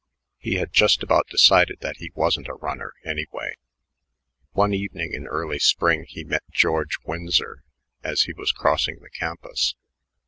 He had just about decided that he wasn't a runner, anyway. One evening in early spring he met George Winsor as he was crossing the campus.